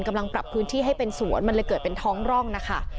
กำลังปรับพื้นที่ให้เป็นสวนมันเลยเกิดเป็นท้องร่องนะคะ